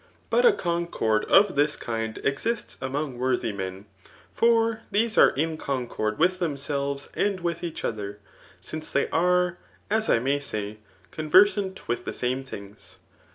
But a concord of this kind exists among worthy men; for these are in concord with themselves and with each other, smce they are, as I may say, conversant with the same things.